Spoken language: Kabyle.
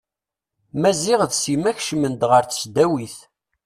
Maziɣ d Sima kecmen-d ɣer tesdawit.